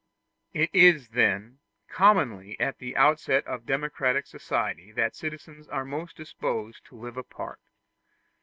It is, then, commonly at the outset of democratic society that citizens are most disposed to live apart.